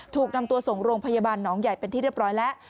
ถูกนำตัวส่งโรงพยาบาลหนองใหญ่เป็นที่เรียบร้อยแล้ว